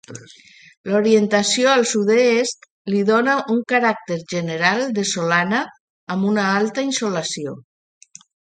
L'orientació al sud-est li dóna un caràcter general de solana amb una alta insolació.